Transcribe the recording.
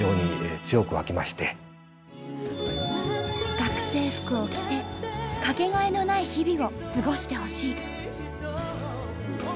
「学生服を着てかけがえのない日々を過ごしてほしい」。